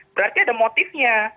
berarti ada motifnya